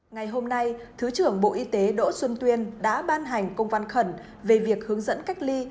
ngày hôm nay thứ trưởng bộ y tế đỗ xuân tuyên đã ban hành công văn khẩn về việc hướng dẫn cách ly